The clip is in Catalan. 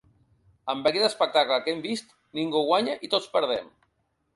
Amb aquest espectacle que hem vist ningú guanya i tots perdem.